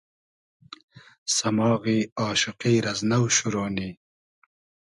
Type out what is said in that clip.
سئماغی آشوقی رئز نۆ شورۉ نی